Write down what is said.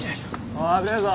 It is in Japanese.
おい危ねえぞ。